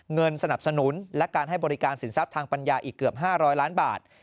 เงินสนับสนุนและการให้บริการสินทรัพย์ทางปัญญาอีกเกือบ๕๐๐ล้านบาท